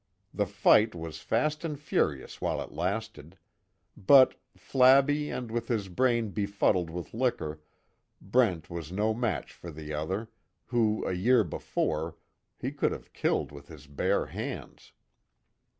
The fight was fast and furious while it lasted. But, flabby, and with his brain befuddled with liquor, Brent was no match for the other, who a year before, he could have killed with his bare hands.